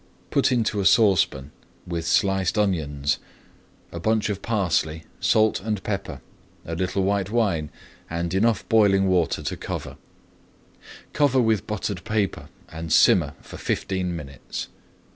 Put into a saucepan with sliced onions, a bunch [Page 216] of parsley, salt and pepper, a little white wine, and enough boiling water to cover. Cover with buttered paper and simmer for fifteen minutes.